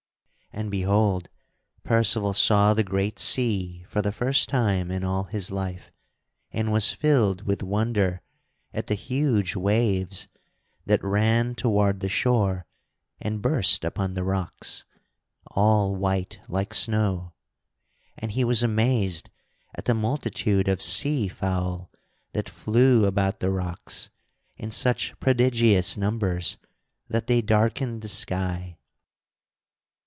And, behold! Percival saw the great sea for the first time in all his life, and was filled with wonder at the huge waves that ran toward the shore and burst upon the rocks, all white like snow. And he was amazed at the multitude of sea fowl that flew about the rocks in such prodigious numbers that they darkened the sky.